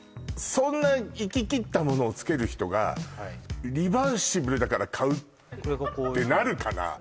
そんないききったものを着ける人がリバーシブルだから買うってなるかな？